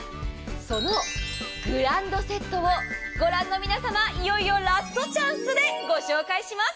そのグランドセットを御覧の皆様、いよいよラストチャンスでご紹介します。